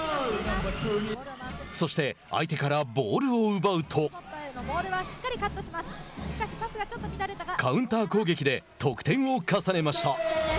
そして相手からボールを奪うとカウンター攻撃で得点を重ねました。